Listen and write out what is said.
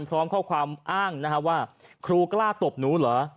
พร้อมเข้าความอ้างว่าครูกล้าตบนู้นหรอ